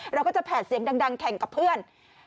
เราก็จะแผดเสียงดังแข่งกับเพื่อน